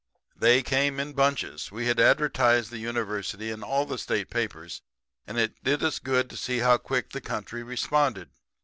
"They came in bunches. We had advertised the University in all the state papers, and it did us good to see how quick the country responded.